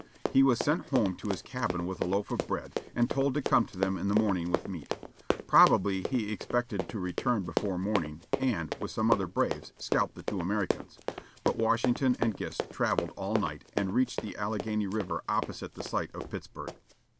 He was sent home to his cabin with a loaf of bread, and told to come to them in the morning with meat. Probably he expected to return before morning, and, with some other braves, scalp the two Americans; but Washington and Gist travelled all night, and reached the Alleghany River opposite the site of Pittsburg.